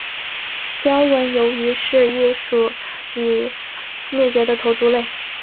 雕纹鱿鱼是一属已灭绝的头足类。